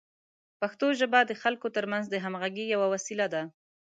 پښتو ژبه د خلکو ترمنځ د همغږۍ یوه وسیله ده.